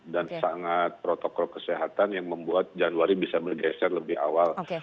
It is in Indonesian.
dan sangat protokol kesehatan yang membuat januari bisa mergeser lebih awal